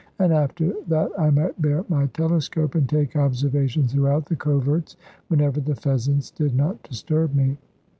And after that I might bear my telescope, and take observations throughout the coverts, whenever the pheasants did not disturb me.